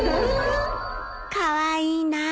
カワイイな。